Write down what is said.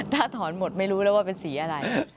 ถ้าถอนหมดไม่รู้แล้วว่าเป็นสีอะไร